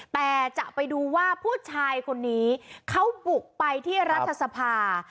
แต่จะไปดูว่าผู้ชายคนนี้เขาบุกไปที่รัฐสภา